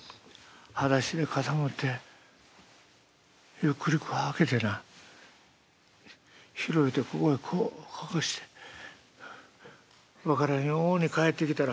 はだしで傘持ってゆっくりこう開けてな広げてここへこう乾かして分からんように帰ってきたら」。